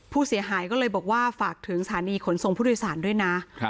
ผู้เสียหายก็เลยบอกว่าฝากถึงสถานีขนส่งผู้โดยสารด้วยนะ